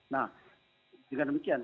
nah dengan demikian